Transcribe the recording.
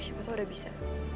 siapa tau udah bisa